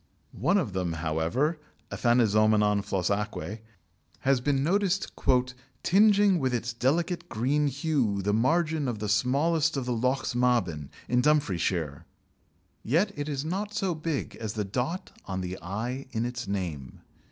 One of them, however, Aphanizomenon flos aquæ, has been noticed "tingeing with its delicate green hue the margin of the smallest of the Lochs Maben, in Dumfriesshire." Yet it is not so big as the dot on the i in its name.